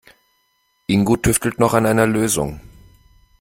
Ingo tüftelt noch an einer Lösung.